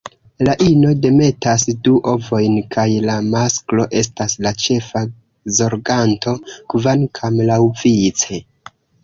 La ino demetas du ovojn kaj la masklo estas la ĉefa zorganto, kvankam laŭvice.